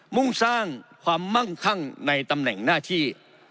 มุ่งสร้างความมั่งคั่งในตำแหน่งหน้าที่